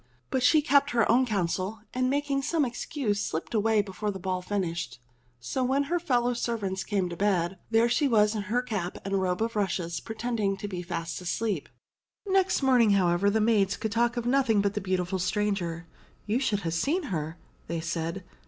But she kept her own counsel and, making some excuse, slipped away before the ball finished ; so when her fellow servants came to bed, there she was in hers in her cap and robe of rushes, pretending to be fast asleep. Next morning, however, the maids could talk of nothing but the beautiful stranger. "You should ha' seen her," they said.